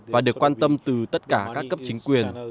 và được quan tâm từ tất cả các cấp chính quyền